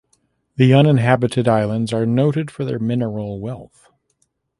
The uninhabited islands are noted for their mineral wealth.